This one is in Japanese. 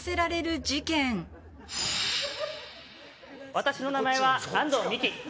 私の名前は安藤美姫。